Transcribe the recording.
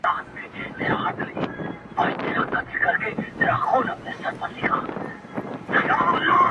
مېنه به تشه له میړونو وي سیالان به نه وي-